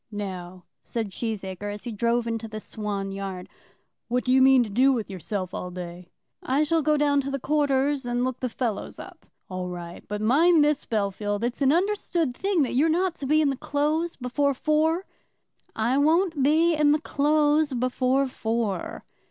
"Now," said Cheesacre, as he drove into the Swan yard, "what do you mean to do with yourself all day?" "I shall go down to the quarters, and look the fellows up." "All right. But mind this, Bellfield; it's an understood thing, that you're not to be in the Close before four?" "I won't be in the Close before four!"